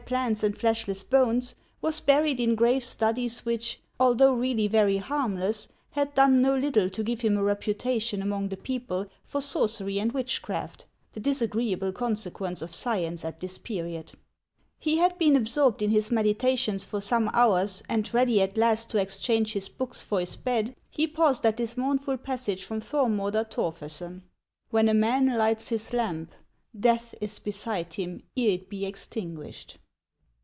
67 plants, and fleshless bones, was buried iu grave studies which, although really very harmless, had done no little to give him a reputation among the people, for sorcery and witchcraft, — the disagreeable consequence of science at this period. He had been absorbed iu his meditations for some hours, and, ready at last to exchange his books for his bed, he paused at this mournful passage from Thormodr Torfesen :" When a man lights his lamp, death is beside him ere it be extinguished."